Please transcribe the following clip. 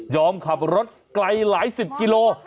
ขับรถไกลหลายสิบกิโล